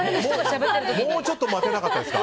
もうちょっと待てなかったですか。